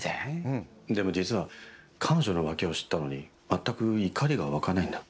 でも実は彼女の浮気を知ったのに、全く怒りが湧かないんだ。